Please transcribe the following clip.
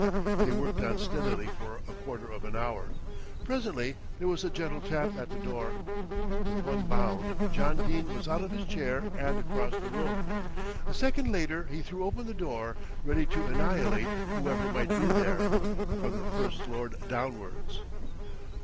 They worked on steadily for a quarter of an hour. Presently there was a gentle tap at the door. With one bound John Dene was out of his chair and across the room. A second later he threw open the door, ready to annihilate whoever might be there, from the First Lord downwards.